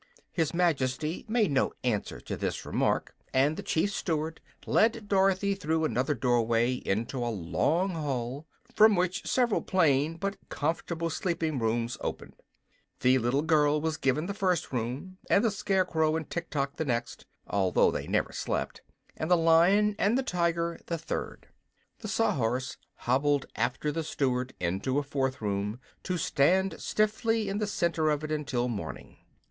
His Majesty made no answer to this remark, and the Chief Steward led Dorothy through another doorway into a long hall, from which several plain but comfortable sleeping rooms opened. The little girl was given the first room, and the Scarecrow and Tiktok the next although they never slept and the Lion and the Tiger the third. The Sawhorse hobbled after the Steward into a fourth room, to stand stiffly in the center of it until morning.